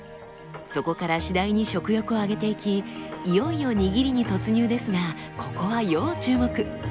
そこから次第に食欲を上げていきいよいよ握りに突入ですがここは要注目。